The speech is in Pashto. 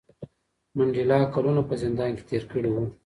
منډېلا کلونه په زندان کې تېر کړي وو.